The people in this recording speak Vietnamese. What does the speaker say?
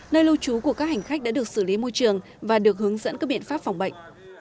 nơi lưu trú của các hành khách đã được xử lý môi trường và được hướng dẫn các biện pháp phòng bệnh